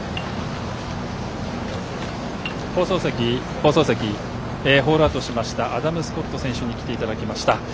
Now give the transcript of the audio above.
放送席、ホールアウトしましたアダム・スコット選手に来ていただきました。